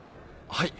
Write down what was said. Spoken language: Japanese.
はい。